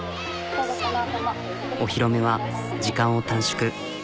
お披露目は時間を短縮。